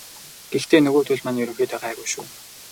Гэхдээ нөгөөдүүл маань ерөнхийдөө гайгүй шүү.